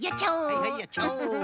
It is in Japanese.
はいはいやっちゃおう。